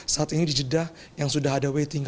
saat ini di jeddah yang sudah ada waiting